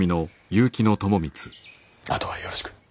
あとはよろしく。